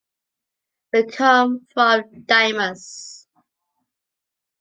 We come from Daimús.